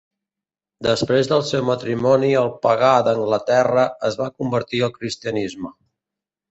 Després del seu matrimoni el pagà d'Anglaterra es va convertir al cristianisme.